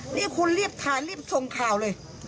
นี่คุณรีบถ่ายรีบส่งข่าวเลย